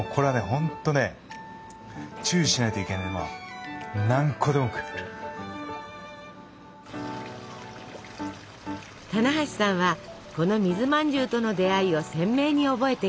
ほんとね注意しないといけないのは棚橋さんはこの水まんじゅうとの出会いを鮮明に覚えています。